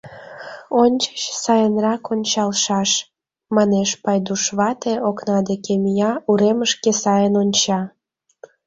Ончыч сайынрак ончалшаш, — манеш Пайдуш вате, окна деке мия, уремышке сайын онча.